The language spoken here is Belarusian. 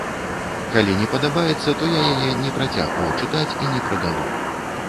Калі не падабаецца, то я яе не працягваю чытаць і не прадаю.